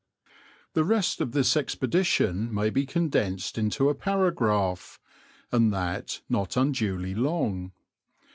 The rest of this expedition may be condensed into a paragraph, and that not unduly long.